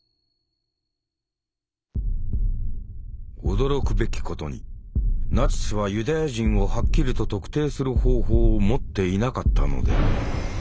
驚くべきことにナチスはユダヤ人をはっきりと特定する方法を持っていなかったのである。